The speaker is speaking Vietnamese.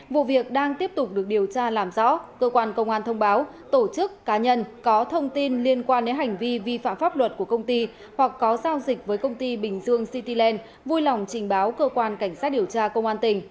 vụ việc đang tiếp tục được điều tra làm rõ cơ quan công an thông báo tổ chức cá nhân có thông tin liên quan đến hành vi vi phạm pháp luật của công ty hoặc có giao dịch với công ty bình dương cityland vui lòng trình báo cơ quan cảnh sát điều tra công an tỉnh